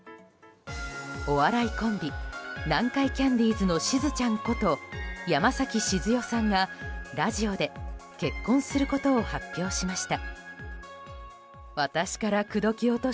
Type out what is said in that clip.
お笑いコンビ南海キャンディーズのしずちゃんこと山崎静代さんがラジオで結婚することを発表しました。